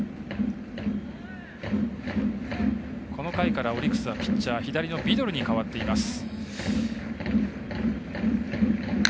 この回からオリックスはピッチャー左のビドルに代わっています。